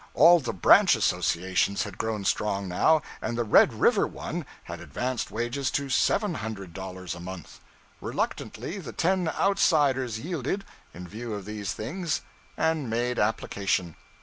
All the branch associations had grown strong, now, and the Red River one had advanced wages to seven hundred dollars a month. Reluctantly the ten outsiders yielded, in view of these things, and made application.